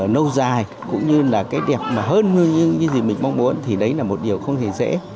nâu dài cũng như là cái đẹp mà hơn như gì mình mong muốn thì đấy là một điều không thể dễ